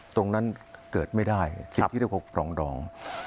ตรงนั้นเกิดไม่ได้สิ่งที่เรียกว่าปรองดอง